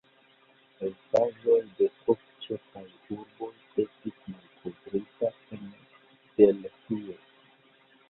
Restaĵoj de ok ĉefaj urboj estis malkovrita en Delhio.